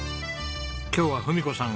今日は文子さん